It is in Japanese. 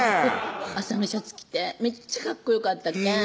麻のシャツ着てめっちゃかっこよかったけん